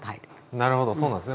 なるほどそうなんですね。